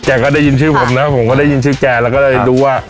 ก็ได้ยินชื่อผมนะผมก็ได้ยินชื่อแกแล้วก็ได้รู้ว่า